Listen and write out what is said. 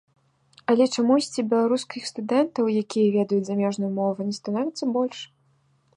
Але чамусьці беларускіх студэнтаў, якія ведаюць замежную мову, не становіцца больш.